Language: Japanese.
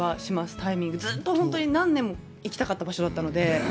タイミング、ずっと本当に何年も行きたかった場所なので。